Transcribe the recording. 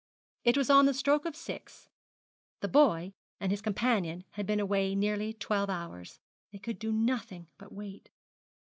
It was on the stroke of six the boy and his companion had been away nearly twelve hours. They could do nothing but wait.